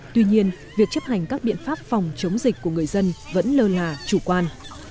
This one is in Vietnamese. tuy nhiên việc chấp hành các biện pháp phòng chống dịch của người dân vẫn lơ là chủ quan